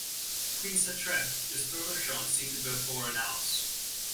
Queen Sitre is further shown seated before a naos.